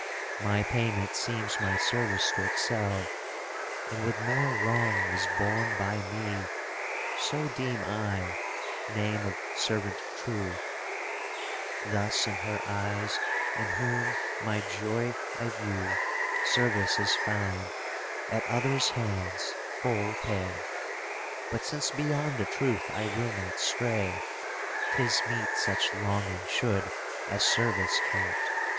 My payment seems my service to excel; And with more wrong is borne By me, so deem I, name of servant true; Thus in her eyes in whom my joy I view, ^* Service is found, at others' hands, full pay. But since beyond the truth I will not stray, 'Tis meet such longing should as service count.